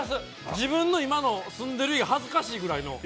自分の今の住んでいる家、恥ずかしいぐらいの。